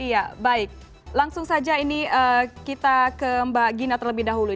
iya baik langsung saja ini kita ke mbak gina terlebih dahulu